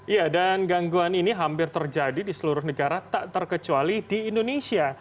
ya dan gangguan ini hampir terjadi di seluruh negara tak terkecuali di indonesia